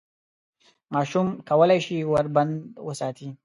ماشوم کولای شي ور بند وساتي.